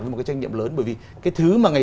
với một cái trách nhiệm lớn bởi vì cái thứ mà ngành